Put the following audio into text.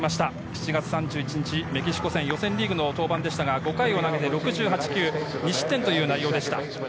７月３１日、メキシコ戦予選リーグの登板でしたが、５回６８球を投げて、２失点という内容でした。